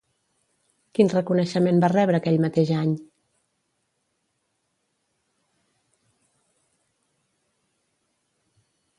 Quin reconeixement va rebre aquell mateix any?